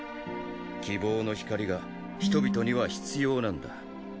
希望の光が人々には必要なんだ。